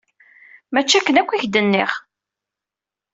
Mačči akken akk i k-d-nniɣ!